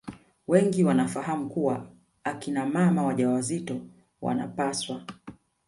wengi wanafahamu kuwa akina mama wajawazito wanapaswa